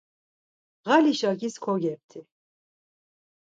Ğali şakis kogepti.